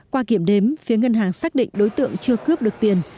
qua kiểm đếm phía ngân hàng xác định đối tượng chưa cướp được tiền